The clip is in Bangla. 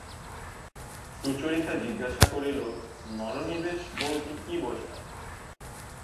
সুচরিতা জিজ্ঞাসা করিল, মনোনিবেশ বলতে কী বোঝায়?